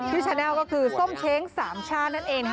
ชาแนลก็คือส้มเช้งสามช่านั่นเอง